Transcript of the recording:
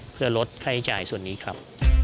เพื่อลดค่าใช้จ่ายส่วนนี้ครับ